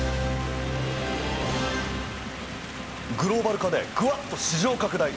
グローバル化でグワッと市場拡大！